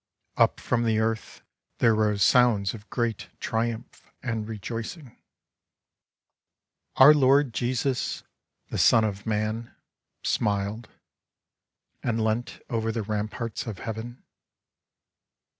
Up from the earth there rose Sounds of great triumph and rejoicing. Our Lord Jesus, the Son of Man, Smiled And leant over the ramparts of Heaven.